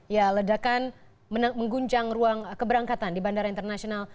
ya ledakan mengguncang ruang keberangkatan di bandara internasional